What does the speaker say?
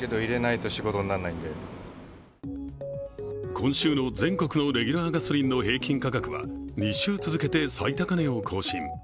今週の全国のレギュラーガソリンの全国平均は２週続けて最高値を更新。